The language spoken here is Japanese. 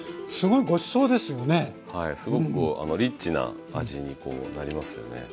すごくこうリッチな味にこうなりますよね。